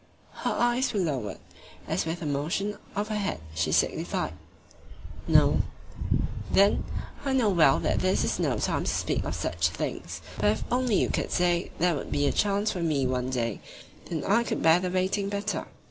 Her eyes were lowered, as with a motion of her head she signified "No." "Then ... I know well that this is no time to speak of such things, but if only you could say there would be a chance for me one day, then could I bear the waiting better."